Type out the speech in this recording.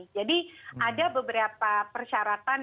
jadi ada beberapa persyaratan